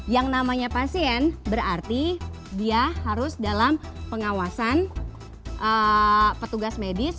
yang namanya pasien berarti dia harus dalam pengawasan petugas medis